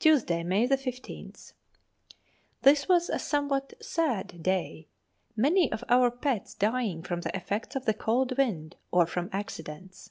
Tuesday, May 15th. This was a somewhat sad day, many of our pets dying from the effects of the cold wind or from accidents.